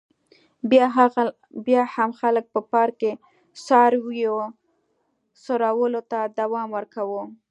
بیا هم خلکو په پارک کې څارویو څرولو ته دوام ورکاوه.